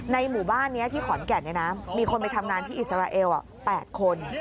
หมู่บ้านนี้ที่ขอนแก่นมีคนไปทำงานที่อิสราเอล๘คน